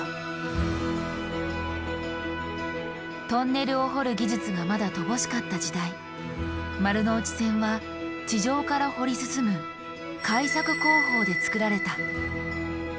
トンネルを掘る技術がまだ乏しかった時代丸ノ内線は地上から掘り進む「開削工法」で作られた。